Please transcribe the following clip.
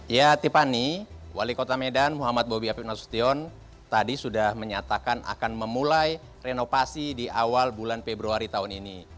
ya tipani wali kota medan muhammad bobi afif nasution tadi sudah menyatakan akan memulai renovasi di awal bulan februari tahun ini